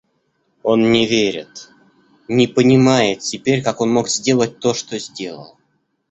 Он не верит, не понимает теперь, как он мог сделать то, что сделал.